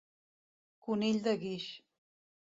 Conill de guix.